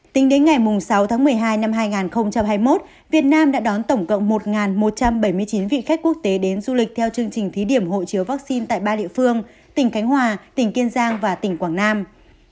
tính đến ngày sáu tháng một mươi hai năm hai nghìn hai mươi một việt nam đã đón tổng cộng một một trăm bảy mươi chín vị khách quốc tế đến du lịch theo chương trình thí điểm hộ chiếu vaccine tại ba địa phương tỉnh cánh hòa tỉnh kiên giang và tỉnh quảng nam